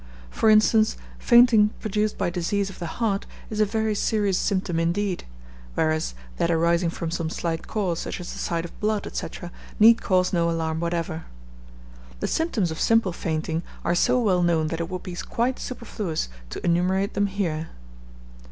For instance, fainting produced by disease of the heart is a very serious symptom indeed; whereas, that arising from some slight cause, such as the sight of blood, &c., need cause no alarm whatever. The symptoms of simple fainting are so well known that it would be quite superfluous to enumerate them here.